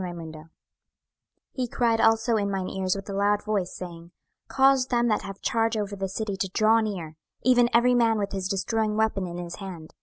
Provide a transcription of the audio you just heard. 26:009:001 He cried also in mine ears with a loud voice, saying, Cause them that have charge over the city to draw near, even every man with his destroying weapon in his hand.